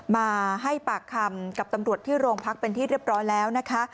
มาให้ปากคำกับตำรวจที่โรงพักเป็นที่เรียบร้อยแล้วนะคะ